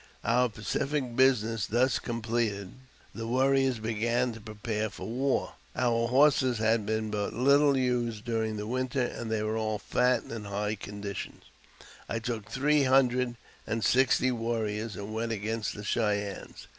Our pacific business thus completed, the warriors began to prepare for war. Our horses had been but little used during the winter, and they were all fat and in high condition. I took three hundred and sixty warriors and went against the Cheyennes.